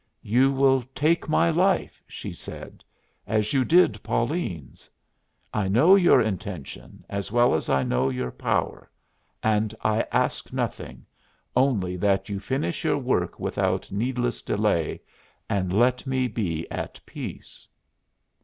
"You will take my life," she said, "as you did Pauline's. I know your intention as well as I know your power, and I ask nothing, only that you finish your work without needless delay and let me be at peace."